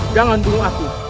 jangan tunggu aku